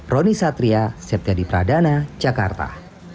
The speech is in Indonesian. roni satria setia di pradana jakarta